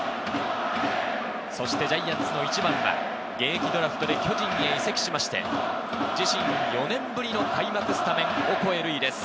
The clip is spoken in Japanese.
そしてジャイアンツの１番は現役ドラフトで巨人へ移籍しまして、自身４年ぶりの開幕スタメン、オコエ瑠偉です。